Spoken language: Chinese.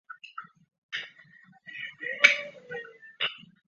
飞行器通常在机场过夜完成此项检查。